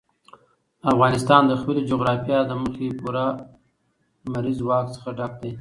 افغانستان د خپلې جغرافیې له مخې پوره له لمریز ځواک څخه ډک دی.